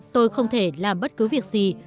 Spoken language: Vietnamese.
tôi không thể làm bất cứ việc gì